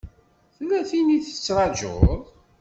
Tella tin i tettṛajuḍ?